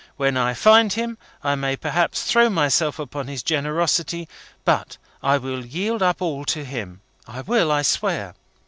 When I find him, I may perhaps throw myself upon his generosity; but I will yield up all to him. I will, I swear.